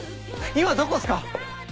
今どこっすか？